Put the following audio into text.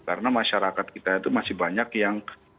karena masyarakat kita itu masih banyak yang